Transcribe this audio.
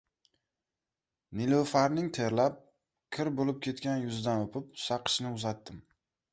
Nilufaming terlab, kir bo‘lib ketgan yuzidan o‘pib, saqichni uzatdim.